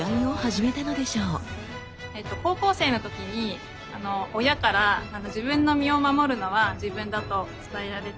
高校生の時に親から自分の身を守るのは自分だと伝えられて。